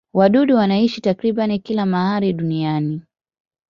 Wadudu wanaishi takriban kila mahali duniani.